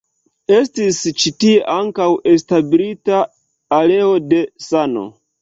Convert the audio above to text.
Estis ĉi tie ankaŭ establita areo de sano.